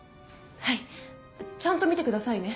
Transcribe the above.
はいちゃんと見てくださいね